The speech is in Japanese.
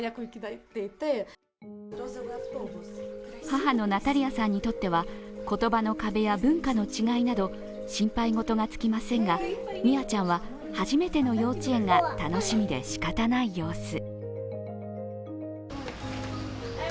母のナタリアさんにとっては言葉の壁や文化の違いなど心配ごとが尽きませんが、ミアちゃんは初めての幼稚園が楽しみでしかたない様子。